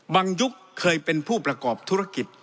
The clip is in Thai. ยุคเคยเป็นผู้ประกอบธุรกิจ